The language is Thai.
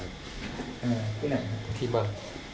ที่ไหนครับที่บ้าน